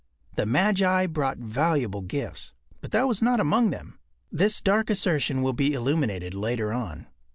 The magi brought valuable gifts, but that was not among them. This dark assertion will be illuminated later on.